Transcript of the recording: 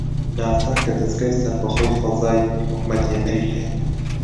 ناسا کە دەزگای سەربەخۆی فەزای حکوومەتی ئەمریکایە